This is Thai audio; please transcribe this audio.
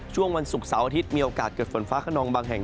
วันศุกร์เสาร์อาทิตย์มีโอกาสเกิดฝนฟ้าขนองบางแห่ง